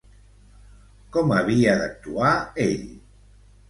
Com havia d'actuar ell?